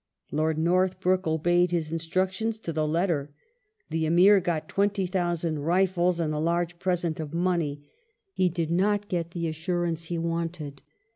Lord Northbrook obeyed his instructions to the letter. The Amir got 20,000 rifles and a large pi*esent of money : he did not get the assurance he wanted.